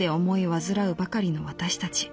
患うばかりの私たち。